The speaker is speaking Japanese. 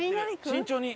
慎重に。